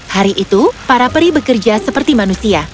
hari itu para peri bekerja seperti manusia